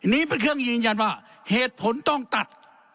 นี้เป็นเครื่องยืนยันว่าเหตุผลต้องตัด